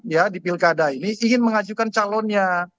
ya di pilkada ini ingin mengajukan calonnya